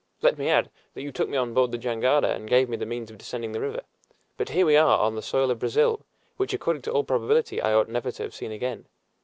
Let me add, that you took me on board the jangada and gave me the means of descending the river. But here we are, on the soil of Brazil, which, according to all probability, I ought never to have seen again.